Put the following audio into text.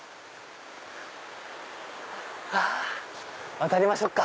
渡りましょうか。